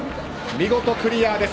見事クリアです。